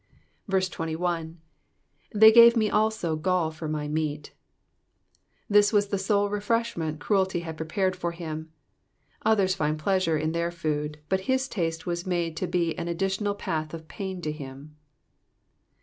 21. *'*'They gave me also galX for my meaV* This was the sole refreshment cruelty had prepared for him. Others find pleasure in their food, but his taste was made to be an additional path of pain to him.